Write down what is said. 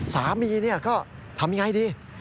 สามีก็ทำอย่างไรดี